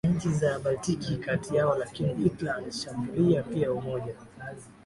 na nchi za Baltiki kati yao lakini Hitler alishambulia pia Umoja